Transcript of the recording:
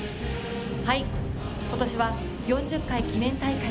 今年は４０回記念大会。